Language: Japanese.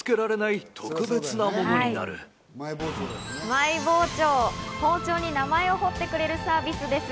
マイ包丁、包丁に名前を彫ってくれるサービスです。